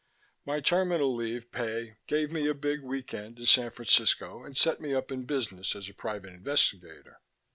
My terminal leave pay gave me a big weekend in San Francisco and set me up in business as a private investigator.